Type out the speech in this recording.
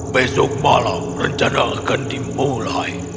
besok malam rencana akan dimulai